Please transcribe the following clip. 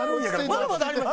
まだまだあります。